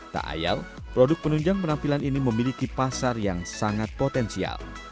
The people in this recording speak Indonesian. tak ayal produk penunjang penampilan ini memiliki pasar yang sangat potensial